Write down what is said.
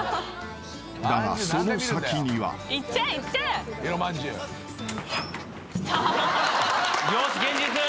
［だがその先には］よし。